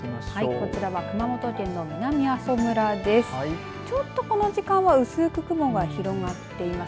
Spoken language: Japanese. こちら熊本県の南阿蘇村です。